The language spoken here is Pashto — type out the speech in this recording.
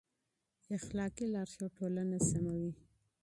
اخلاقي لارښود ټولنه سموي.